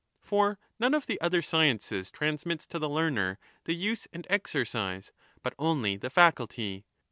For none of the other sciences transmits to the learner the use and exercise, but only the faculty.